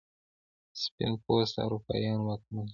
سپین پوسته اروپایان واکمن شول.